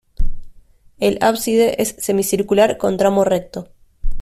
El ábside es semicircular con tramo recto.